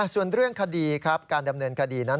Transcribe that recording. ส่วนเรื่องคดีครับการดำเนินคดีนั้น